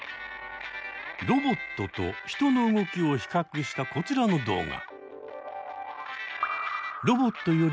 ロボットと人の動きを比較したこちらの動画。